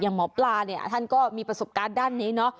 หมอปลาเนี่ยท่านก็มีประสบการณ์ด้านนี้เนอะ